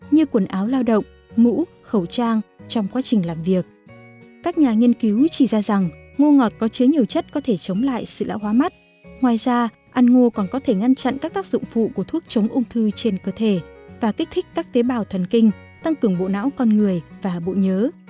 ngoài ra ăn ngô còn có thể ngăn chặn các tác dụng phụ của thuốc chống ung thư trên cơ thể và kích thích các tế bào thần kinh tăng cường bộ não con người và bộ nhớ